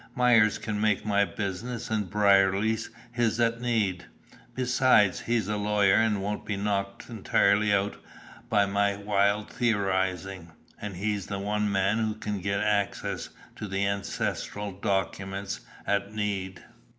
Myers can make my business and Brierly's his at need. Besides, he's a lawyer and won't be knocked entirely out by my wild theorising, and he's the one man who can get access to the ancestral documents at need."